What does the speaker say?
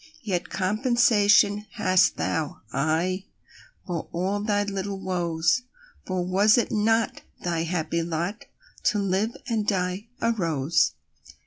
Yet compensation hast thou—aye!—For all thy little woes; For was it not thy happy lotTo live and die a rose?